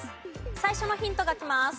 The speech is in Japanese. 最初のヒントがきます。